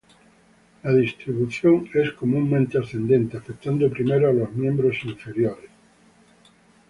La distribución es comúnmente ascendente, afectando primero a los miembros inferiores.